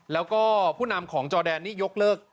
แล้วก็ผู้นำของจอแดนนี่ยกเลิก